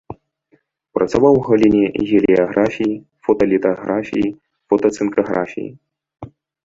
Працаваў у галіне геліяграфіі, фоталітаграфіі, фотацынкаграфіі.